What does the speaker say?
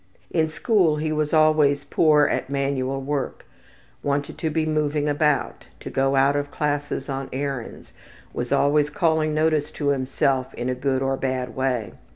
In school he was always poor at manual work, wanted to be moving about, to go out of classes on errands, was always calling notice to himself in a good or bad way.